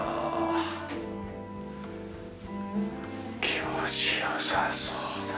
気持ちよさそうだ。